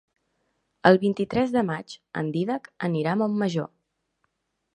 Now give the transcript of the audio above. El vint-i-tres de maig en Dídac anirà a Montmajor.